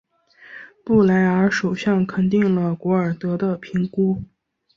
布莱尔首相肯定了古尔德的评估。